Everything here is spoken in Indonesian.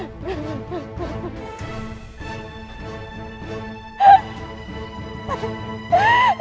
aku lagi merasa sedih